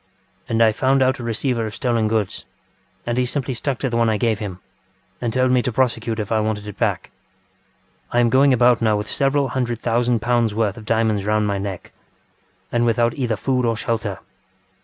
And I found out a receiver of stolen goods, and he simply stuck to the one I gave him and told me to prosecute if I wanted it back. I am going about now with several hundred thousand pounds worth of diamonds round my neck, and without either food or shelter.